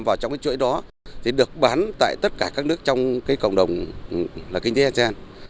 và trong chuỗi đó được bán tại tất cả các nước trong cộng đồng kinh tế asean